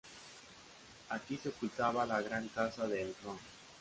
Aquí se ocultaba la Gran Casa de Elrond.